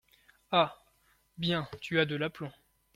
Ah ! bien, tu as de l’aplomb !